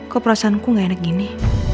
kok perasaanku gak enak gini